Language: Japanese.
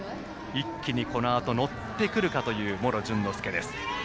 一気にこのあと乗ってくるかという茂呂潤乃介。